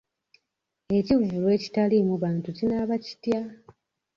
Ekivvulu ekitaliimu bantu kinaaba kitya?